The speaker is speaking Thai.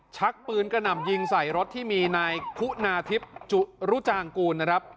ชักปืนกระหน่ำยิงใส่รถที่มีนายคุณาทิพย์จุรุจางกูลนะครับ